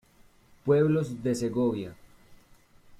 Pueblos de Segovia